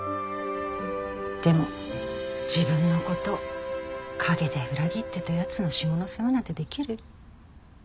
でも自分の事陰で裏切ってた奴の下の世話なんてできる？